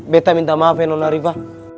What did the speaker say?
beta minta maaf ya nona arifah